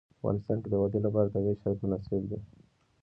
په افغانستان کې د وادي لپاره طبیعي شرایط مناسب دي.